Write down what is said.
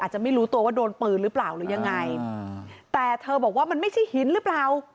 จะไม่รู้ตัวว่าโดนปืนหรือเปล่าหรือยังไงแต่เธอบอกว่ามันไม่ใช่หินหรือเปล่า